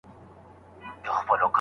هغوی به په راتلونکي کي توازن وساتي.